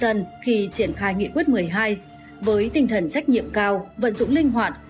trong những lần khi triển khai nghị quyết một mươi hai với tinh thần trách nhiệm cao vận dụng linh hoạt